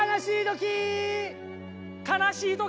悲しい時。